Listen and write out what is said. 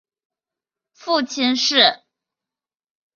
父亲是。